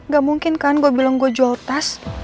gak mungkin kan gue bilang gue jual tas